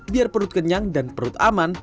biar perut kenyang dan perut aman